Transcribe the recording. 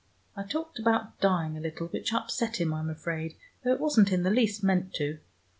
I talked about dying a little, which upset him, I'm afraid, though it wasn't in the least meant to.